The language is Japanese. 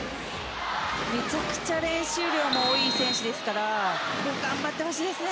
めちゃくちゃ練習量も多い選手ですから頑張ってほしいですね。